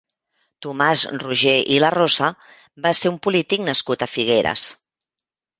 Tomàs Roger i Larrosa va ser un polític nascut a Figueres.